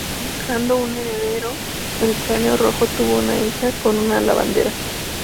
Buscando un heredero, el Cráneo Rojo tuvo una hija con una lavandera.